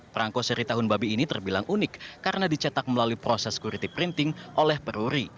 perangko seri tahun babi ini terbilang unik karena dicetak melalui proses security printing oleh peruri